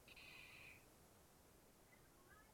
Má i vlastní youtube kanál Solarsido.